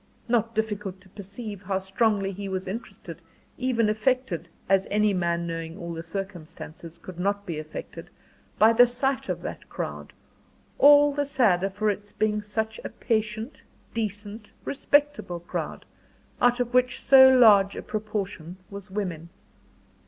Not difficult to perceive how strongly he was interested, even affected as any man, knowing all the circumstances, could not but be affected by the sight of that crowd, all the sadder for its being such a patient, decent, respectable crowd, out of which so large a proportion was women.